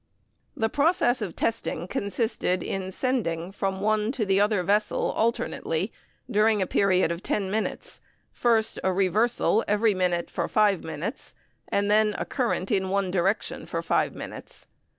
The process of testing consisted in sending from one to the other vessel alternately, during a period of ten minutes, first a reversal every minute for five minutes, and then a current in one direction for five minutes.